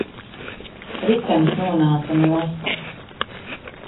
Ritenis nonāca nost.